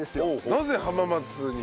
なぜ浜松に？